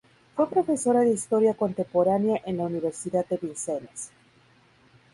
Fue profesora de historia contemporánea en la Universidad de Vincennes.